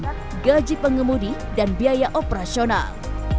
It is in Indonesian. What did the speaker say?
kinerja penyusunan gaji pengemudi dan biaya operasional